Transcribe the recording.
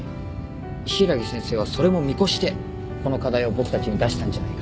柊木先生はそれも見越してこの課題を僕たちに出したんじゃないかな。